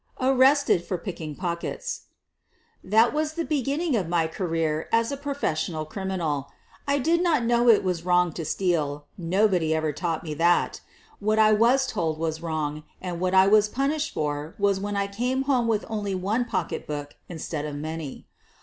ARRESTED FOR PICKING POCKETS That was the beginning of my career as a pro fessional criminal. I did not know it was wrong to steal ; nobody ever taught me that. What I was told was wrong, and what I was punished for was when I came home with only one pocketbook instead of many.